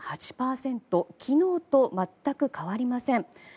昨日と全く変わりません。